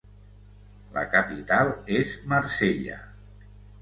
La capital és Marsella.